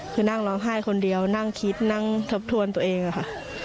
คือนั่งร้องไห้คนเดียวนั่งคิดนั่งทบทวนตัวเองอะค่ะ